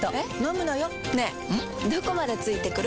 どこまで付いてくる？